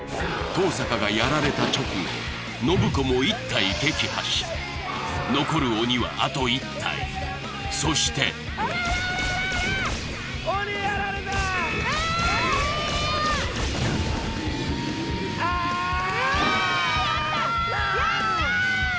登坂がやられた直後信子も１体撃破し残る鬼はあと１体そしてオラオラオラ鬼やられたあーっやったー！